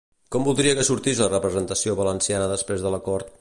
Com voldria que sortís la representació valenciana després de l'acord?